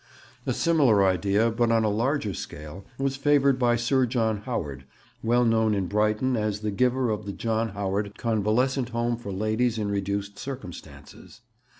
A similar idea, but on a larger scale, was favoured by Sir John Howard, well known in Brighton as the giver of the John Howard Convalescent Home for Ladies in Reduced Circumstances.